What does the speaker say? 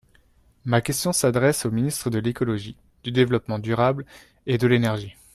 Ma question s’adresse au Ministre de l’écologie, du développement durable et de l’énergie.